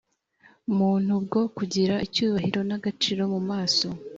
muntu bwo kugira icyubahiro n agaciro mu maso